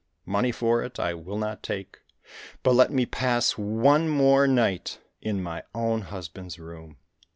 money for it I will not take, but let me pass one more night in I my own husband's room